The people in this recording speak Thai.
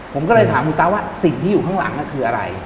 ผมก็เลยถามคุณตาว่าสิ่งที่อยู่ข้างหลังคืออะไร